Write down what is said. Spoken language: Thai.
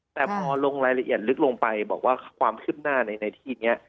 แต่พอลงรายละเอียดลึกลงไปบอกว่าความคืบหน้าในที่นี้